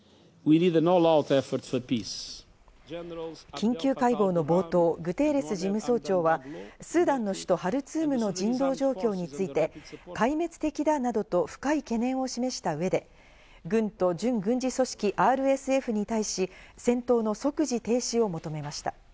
緊急会合の冒頭、グテーレス事務総長はスーダンの首都ハルツームの人道状況について、壊滅的だなどと深い懸念を示した上で、軍と準軍事組織ＲＳＦに対し戦闘の即時停止を求めました。